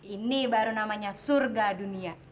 ini baru namanya surga dunia